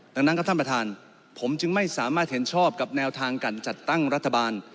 ดังนั้นครับท่านประธานผมจึงไม่สามารถเห็นชอบกับแนวทางการจัดตั้งรัฐบาล